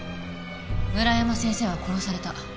村山先生は殺された。